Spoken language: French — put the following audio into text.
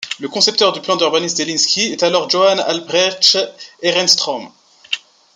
Le concepteur du plan d'urbanisme d’Helsinki est alors Johan Albrecht Ehrenström.